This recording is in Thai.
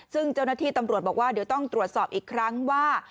ซึ่งเจ้าหน้าที่ตำรวจบอกว่าเดี๋ยวต้องตรวจสอบอีกครั้งว่า